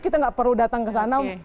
kita nggak perlu datang ke sana